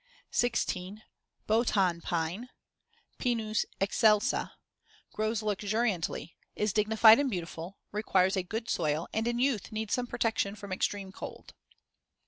16. Bhotan pine (Pinus excelsa) Grows luxuriantly; is dignified and beautiful; requires a good soil, and in youth needs some protection from extreme cold.